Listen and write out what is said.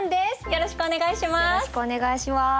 よろしくお願いします。